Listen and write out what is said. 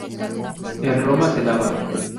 En Roma se lava.